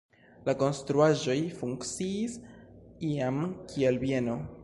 La konstruaĵoj funkciis iam kiel bieno.